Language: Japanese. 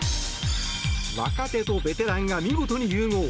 若手とベテランが見事に融合。